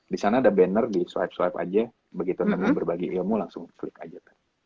disana ada banner di swipe swipe aja begitu nanti berbagi ilmu langsung klik aja